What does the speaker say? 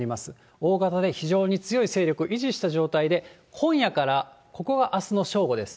大型で非常に強い勢力を維持した状態で、今夜から、ここがあすの正午です。